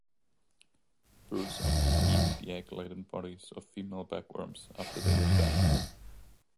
Birds often eat the egg-laden bodies of female bagworms after they have died.